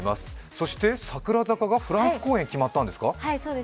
そして櫻坂がフランス公演決まったんですか？